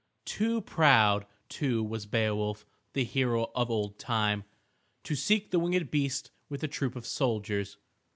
Too proud, too, was Beowulf, the hero of old time, to seek the winged beast with a troop of soldiers.